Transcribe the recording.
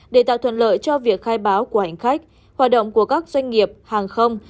để tạo thuận lợi cho việc khai báo của hành khách hoạt động của các doanh nghiệp hàng không